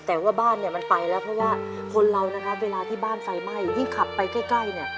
แต่ว่าบ้านเนี่ยมันไปแล้วเพราะว่าคนเรานะครับเวลาที่บ้านไฟไหม้ยิ่งขับไปใกล้เนี่ย